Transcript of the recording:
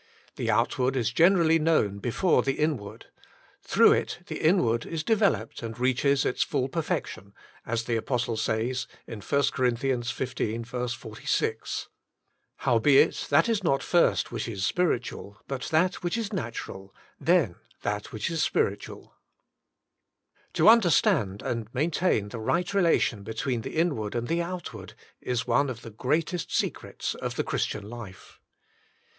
The outward is generally known before the inward ; through it the inward is developed and reaches its full perfection, as the apostle says in 1 Cor. xv. 46. " Howbeit that is not first which is spiritual but which is natural, then that which is spiritual." To understand and maintain the right relation between the inward and the outward is one of the greatest secrets of the Christian life.